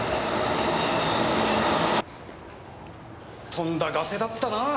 とんだガセだったなぁ。